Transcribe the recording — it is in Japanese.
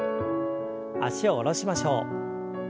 脚を下ろしましょう。